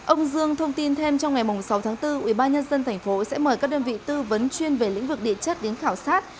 ông dương thông tin thêm trong ngày sáu tháng bốn ubnd tp sẽ mời các đơn vị tư vấn chuyên về lĩnh vực địa chất đến khảo sát